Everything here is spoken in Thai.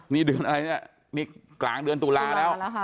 นี่เดือนอะไรเนี่ยนี่กลางเดือนตุลาแล้ว